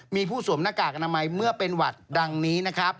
มีผู้สวมหน้ากากอนามัยเมื่อเป็นหวัดดังนี้นะครับ